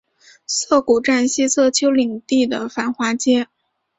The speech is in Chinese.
涩谷站西侧丘陵地的繁华街。